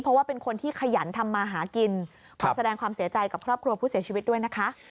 เพราะว่าเป็นคนที่ขยันทำมาหากินขอแสดงความเสียใจกับครอบครัวผู้เสียชีวิตด้วยนะคะ